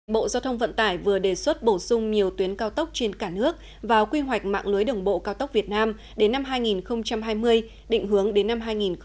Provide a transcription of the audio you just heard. bộ giao thông vận tải vừa đề xuất bổ sung nhiều tuyến cao tốc trên cả nước vào quy hoạch mạng lưới đường bộ cao tốc việt nam đến năm hai nghìn hai mươi định hướng đến năm hai nghìn ba mươi